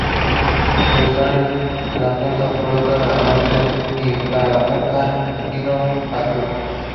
Sobresalen la punta Proa al norte y la punta Timón al sur.